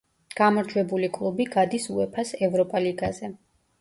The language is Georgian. გამარჯვებული კლუბი გადის უეფა-ს ევროპა ლიგაზე.